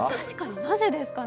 なぜですかね。